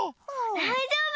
だいじょうぶ。